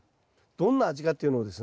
どんな味かっていうのをですね